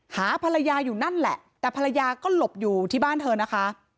หาภรรยาอยู่นั่นแหละแต่ภรรยาก็หลบอยู่ที่บ้านเธอนะคะ